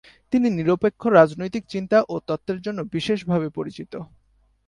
তিনি নিরপেক্ষ রাজনৈতিক চিন্তা ও তত্ত্বের জন্য বিশেষভাবে পরিচিত।